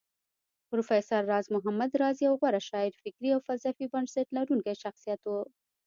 پروفېسر راز محمد راز يو غوره شاعر فکري او فلسفي بنسټ لرونکی شخصيت و